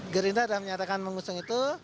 gerindra sudah menyatakan mengusung itu